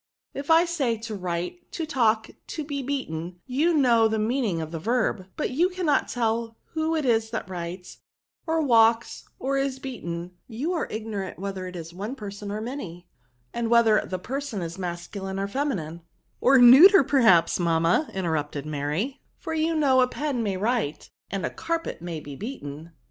If I say, to write, to walk, to be beaten, you know the meaning of the verb; but you cannot tell who it is that writes, or walks, or is beaten ; you are ignorant whether it is one person or many, and whether the person is masculine or feminin e *■■"^^ Or neuter, perhaps, mamma," inter* rupted Mary; " for you know a pen may write, and a carpet may be beaten."